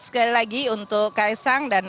sekali lagi untuk kaisang dan